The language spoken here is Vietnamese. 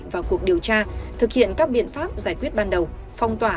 vào cuộc điều tra thực hiện các biện pháp giải quyết ban đầu phong tỏa